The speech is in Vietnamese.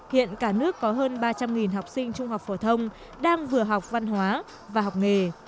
hiện cả nước có hơn ba trăm linh học sinh trung học phổ thông đang vừa học văn hóa và học nghề